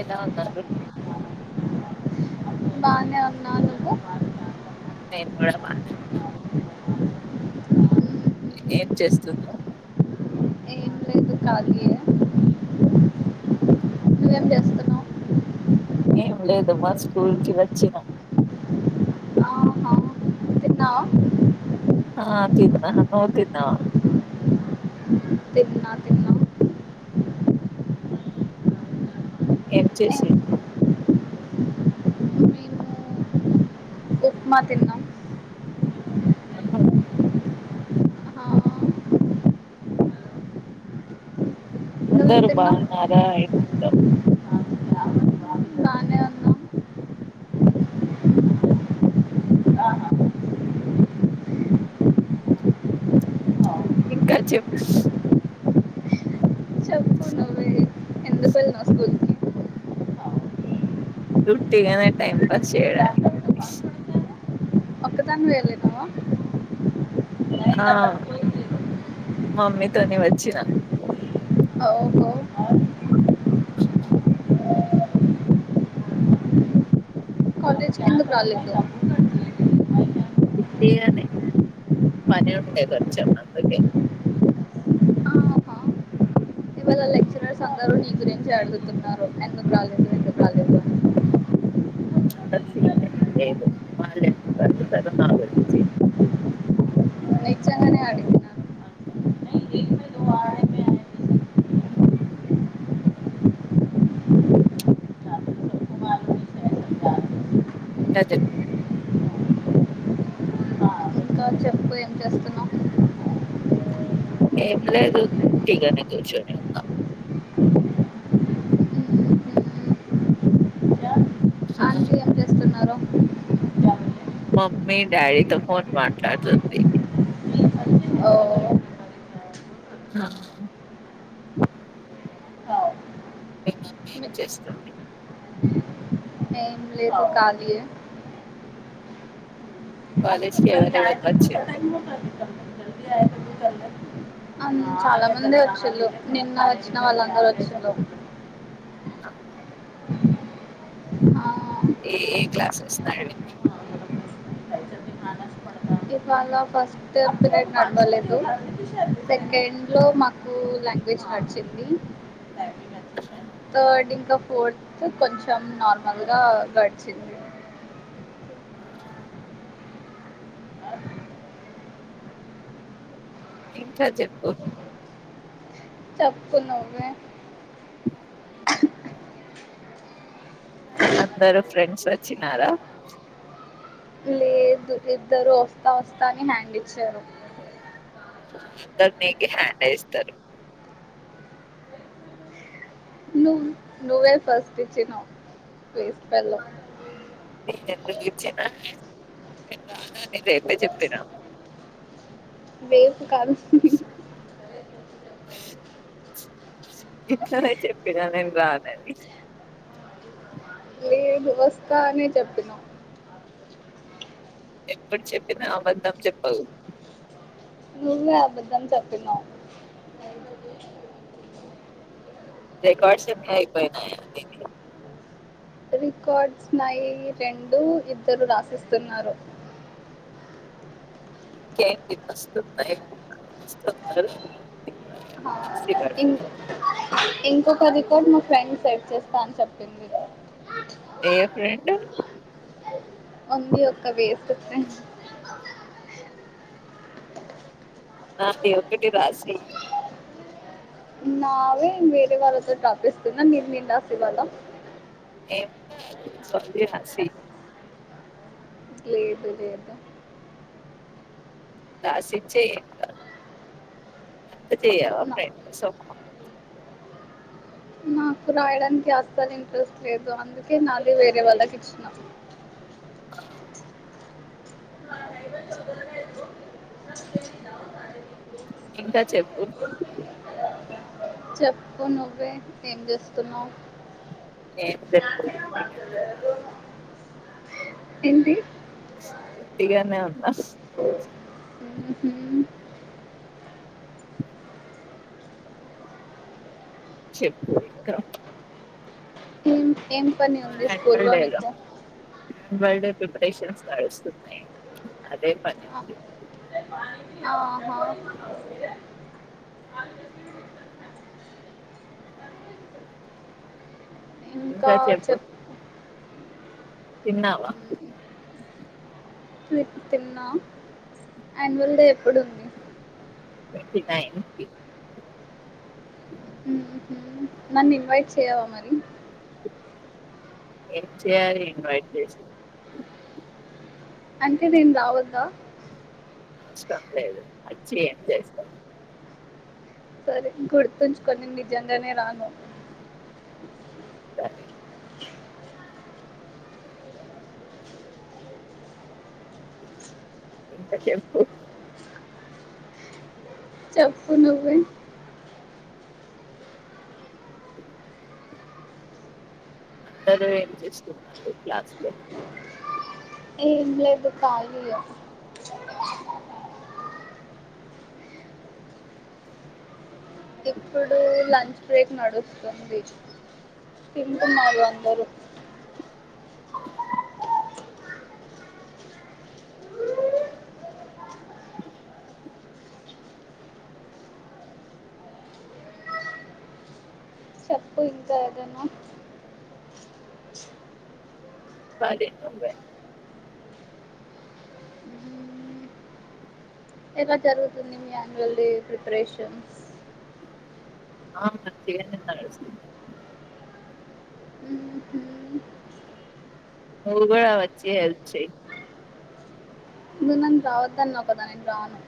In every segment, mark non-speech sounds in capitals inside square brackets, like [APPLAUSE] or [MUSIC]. ఎలా ఉన్నారు బానే ఉన్నా నువ్వు నేను కూడా బానే ఉన్నా ఏం చేస్తున్నావ్ ఇప్పుడు ఖాళీయే నువ్వేం చేస్తున్నావు ఏం లేదు మా స్కూల్ కి వచ్చినం ఆహా తిన్నావా ఆ తినా నువ్వు తిన్నావ తిన్నా తిన్నా ఏం చేసి మేము ఉప్మా తిన్నాం కన్ఫామ్ ఆ నువ్వేం అందరు తిన్నావ్ బావున్నార ఎక్ దమ్ బానే ఉన్నాం ఇంకా చెప్పు చెప్పు నువ్వే ఎందుకు వెళ్ళినావు స్కూల్కి ఉట్టిగనే టైమ్ పాస్ చేయడానికి ఒక్కదానివే వెళ్ళినావా ఆ మామ్మీతోనే వచ్చిన ఓహో ఆ కాలేజ్ కి ఎందుకు రాలేదు ఫిప్టి అనే పని ఉండే కొంచెం అందకే ఆహా గురించే అడుగుతున్నారు ఎందుకు రాలేదు ఎ అంత అని సీన్ ఏం లేదు వాళ్ళు ఎందుకు అడుగుతారు నా గురించి నిజంగానే అడిగినారు తజ ఇంకా చెప్పు ఏం చేస్తున్నావు ఏం లేదు ఉట్టి గానే కూర్చొని ఉన్నా స ఆంటీ ఏం చేస్తున్నారు మమ్మీ డాడీ తో ఫోన్ మాట్లడుతుంది ఓ ఆ మీ మమ్మీ ఏం చేస్తుంది. ఏం లేదు ఖాళీయే కాలేజ్ కి ఎవరివరు వచ్చింది. అన్- చాలా మంది వచ్చిళ్ళు నిన్న వచ్చిన వాళ్ళందరు వచ్చిళు ఆ ఆ, ఏ ఏ క్లాసెస్ జరిగినీయ్ వాళ ఫస్ట్ పీరేడ్ నెంబర్ లేదు, సెకండ్ లో మాకు లాంగ్వేజ్ గడిచింది థర్డ్ ఇంక ఫోర్త్ కొంచెం నార్మల్ గా గడిచింది. ఆ ఇంక చెప్పు చెప్పు నువ్వే అందరు ఫ్రెండ్స్ వచ్చినారా? దు ఇద్దరు వస్తా వస్తా అని హ్యాండ్ ఇచ్చారు. అందర్ నీకీ హ్యాండే ఇస్తరు. నువ్ నువ్వే ఫస్ట్ ఇచినవ్ వేస్ట్ ఫెల్లో నేను ఎందుకు ఇచ్చిన, నేను రానని రెత్రే చెప్పిన. వేపు కాదు నిన్ననే చెప్ నిన నేన్ రానని లేదు వస్తా అనే చెప్పినవ్ ఎప్పుడు చెప్పినా, అబద్దం చెప్పవ్ నువ్వే అబద్ధం చెప్పినవ్ రికార్డ్స్ ఉన్నయా, అయిపోయినవా నీవి? రికార్డ్స్ నాయి రెండు ఇద్దరు రాసిస్తున్నారు ఇంకేంటి వస్తున్నయ్ హ రాసి ఇన్ ఇవ్వడానికి ఇంకొకరి తోడ్ మా ఫ్రెండ్ సెట్ చేస్తా అని చెప్పింది గా ఏ ఫ్రెండ్ ఉంది ఒక వేస్ట్ ఫ్రెండ్ నాది ఒకటి రాసి నావే వేరే వాళ్ళతోటి రాపిస్తున్నా, నేన్ నీది రాసివ్వలా? ఎమ్లా లు రాసి లేదు లేదు ద స్విచ్ ఏయ్ ఎం కా నా [UNINTELLIGIBLE] నాకు రాయడానికి అసలు ఇంట్రెస్ట్ లేదు, అందుకే నాది వేరే వాళ్ళకి ఇచ్చిన. ైవందా ఇంకా చెప్పు చెప్పు నువ్వే ఏం చేస్తున్నావు ఏం లేదు ఉట్టిగానే ఉన్నా ఎంది ఉట్టిగానే ఉన్న ఉహు చెప్పు ఎక్క ఏం ఏం పని ఉంది స్కూల్ యాన్యువల్ డే లో వోనిక యాన్యువల్ డే ప్రిపరేషన్స్ నడుస్తున్నయి ఆ ఆహా ఇంకా చెప్ తిన్నావ? రే ఇపు తిన్నా, అన్యూల్ డే ఎప్పుడుంది? ఫిఫ్టీ నైన్ ఫి ఉహు నన్ ఇన్వైట్ చేయవా మరి? ఏం చేయాలి ఇన్వైట్ చేసి అంటే నేన్ రావొద్దా? అవసరం లేదు వచ్చి ఏం చేస్తాం సరే గుర్తుంచుకో నేను నిజంగానే రాను సరే ఇంకా చెప్పు చెప్పు నువ్వే అందరూ ఏం చేస్తున్నారు క్లాస్ లో ఏంలేదు ఖాలీయే ఇప్పుడు లంచ్ బ్రేక్ నడుస్తుంది తింటున్నారు అందరూ హా చెప్పు ఇంకా ఏదైనా చెప్పాలి నువ్వే మ్మ్. ఎలా జరుగుతుంది మీ అన్యువల్ డే ప్రిపరేషన్ ఆ మంచిగానే నడుస్తుందండి నువ్వు కూడా వచ్చి హెల్ప్ చేయ్ నువ్వు నన్ను రావద్దు అన్నావ్ కదా నేను రాను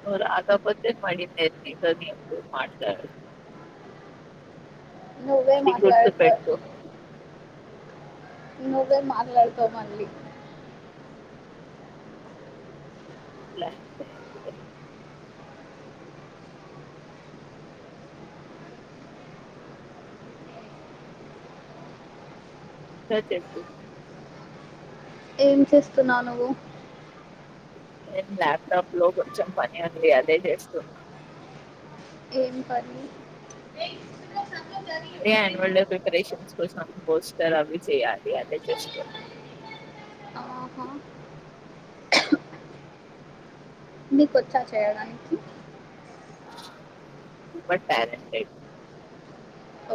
నువ్వు రాకపోతే మరి నేను నీతో ఎప్పుడూ మాట్లాడను నువ్వే అది గుర్తు మాట్లాడుతావ్ పెట్టుకో నువ్వే మాట్లాడుతావు మళ్ళీ అట్లే అట్లే ఏం లేదులే ఇంకా చెప్పు ఏం చేస్తున్నావు నువ్వు నేను లాప్టాప్ లో కొంచెం పని ఉంది అదే చేస్తున్న ఏం పని అదే అన్యువల్ డే ప్రిపరేషన్ కోసం త్వరగా చేయాలి అదే చేసుకుంటున్నా అహా నీకు వచ్చా చేయడానికి ఆ సూపర్ టాలెంటెడ్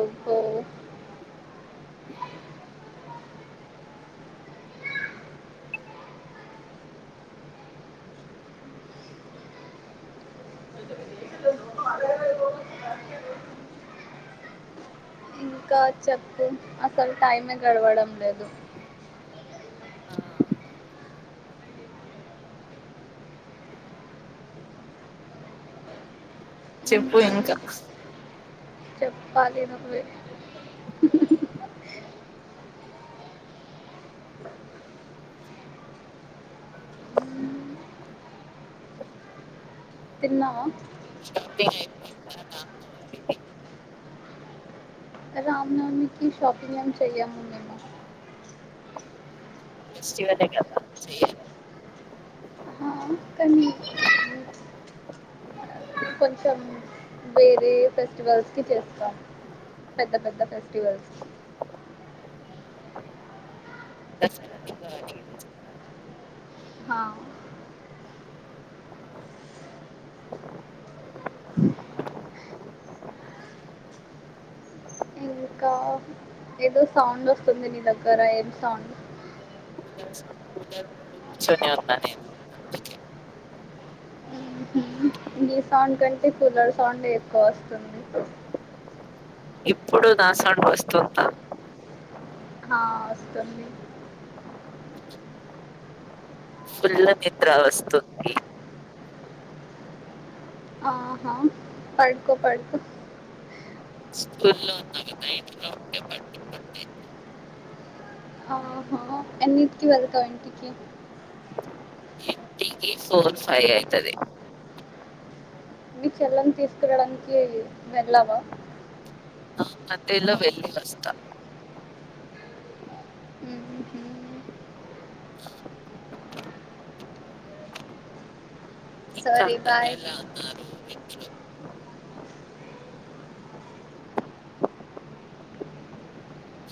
ఓహో ఇంకా చెప్పు అసలు టైమే గడవడం లేదు ఆ చెప్పు మ్మ్, ఇంకా చెప్పాలి నువ్వే తిన్నావా షాపింగ్ అయిపోయిందా దాంట్లో నీది మేము షాపింగ్ ఏం చెయ్యము ఎందుకు ఫెస్టివలే కదా చెయ్యరా ఆ కాని కొంచెం వేరే ఫెస్టివల్ కి చేస్తాం పెద్ద పెద్ద ఫెస్టివల్స్ కి దసరా దీపావళికి తెస్తారా ఆ ఇంకా ఏదో సౌండ్ వస్తుంది నీ దగ్గర ఏం సౌండ్ కూలర్ సౌండ్ కూలర్ ముందే కూర్చొని ఉన్న నేను అందుకే నీ సౌండ్ కంటే కూలర్ సౌండ్ ఎ ఎక్కువ వస్తుంది ఇప్పుడు నా సౌండ్ వస్తుందా ఇంకా వస్తుంది ఫుల్లు నిద్ర వస్తుంది ఆహా పడుకో పడుకో స్కూల్లో ఉన్న కదా ఇంట్లో ఉండే పడుకుంటుంటే ఆహా ఎన్నింటికి వెళ్తావ్ ఇంటికి టీకి ఫోర్ ఫైవ్ అయితది మీ చెల్లని తీసుకురావడానికి వెళ్ళావా మధ్యలో వెళ్లి వస్తా సరే బాయ్ [INAUDIBLE]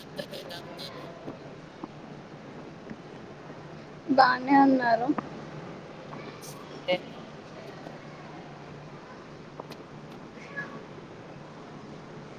అందరూ ఎలా ఉన్నారు? బానే ఉన్నారు అంటే మరి